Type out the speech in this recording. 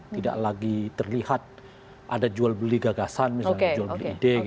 tidak lagi terlihat ada jual beli gagasan misalnya